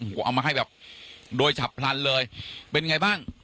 โอ้โหเอามาให้แบบโดยฉับพลันเลยเป็นไงบ้าง